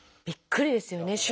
びっくりですよね。